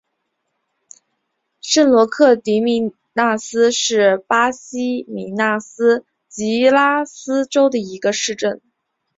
圣罗克迪米纳斯是巴西米纳斯吉拉斯州的一个市镇。